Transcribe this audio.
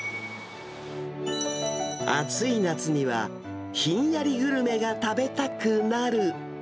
暑い夏には、ひんやりグルメが食べたくなる。